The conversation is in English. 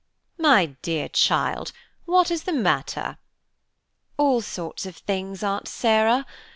"My dear child! what is the matter?" "All sorts of things, Aunt Sarah.